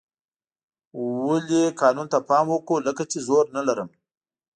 ولې قانون ته پام وکړو لکه چې زور نه لرم.